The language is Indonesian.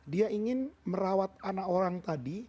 dia ingin merawat anak orang tadi